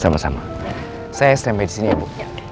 sama sama saya smp di sini ya bu